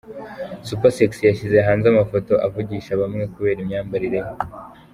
Supersexy yashyize hanze amafoto avugisha bamwe kubera imyambarire ye .